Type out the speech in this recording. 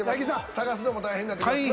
探すのも大変になってきます。